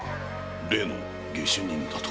例の下手人だと？